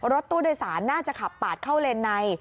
รถตู้โดยสารน่าจะขับปาดเข้าเลนใน